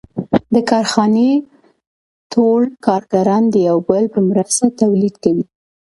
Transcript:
د کارخانې ټول کارګران د یو بل په مرسته تولید کوي